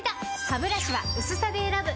ハブラシは薄さで選ぶ！